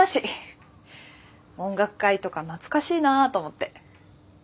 音楽会とか懐かしいなと思って。